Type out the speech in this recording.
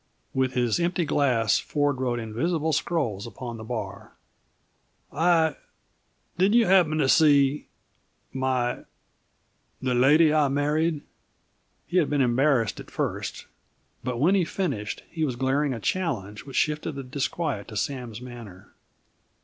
With his empty glass Ford wrote invisible scrolls upon the bar. "I did you happen to see my the lady I married?" He had been embarrassed at first, but when he finished he was glaring a challenge which shifted the disquiet to Sam's manner.